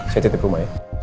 saya citip rumah ya